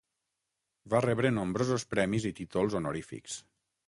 Va rebre nombrosos premis i títols honorífics.